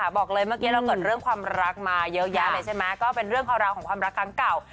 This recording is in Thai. แบบอันนี้ยังไงค่ะ